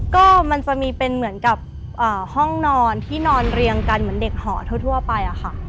ก็มันจะมีเป็นเหมือนกับห้องนอนที่นอนเรียงกันเหมือนเด็กหอทั่วไปอะค่ะ